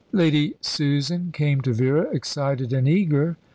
Lady Susan came to Vera, excited and eager.